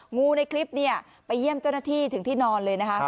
งูในคลิปเนี่ยไปเยี่ยมเจ้าหน้าที่ถึงที่นอนเลยนะคะ